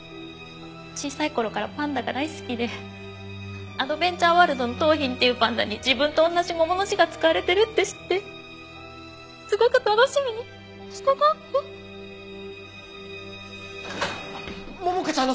小さい頃からパンダが大好きでアドベンチャーワールドの桃浜っていうパンダに自分と同じ「桃」の字が使われてるって知ってすごく楽しみにしてたので。